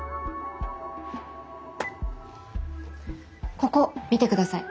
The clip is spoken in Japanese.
ここ見てください。